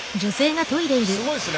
すごいですね